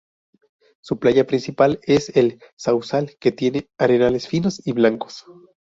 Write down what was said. Su playa principal es el Sauzal, que tiene arenales finos y blancos.